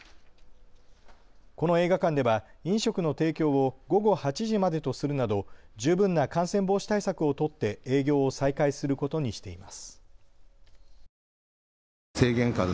この映画館では飲食の提供を午後８時までとするなど十分な感染防止対策を取って営業を再開することにしています。